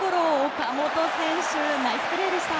岡本選手、ナイスプレーでした。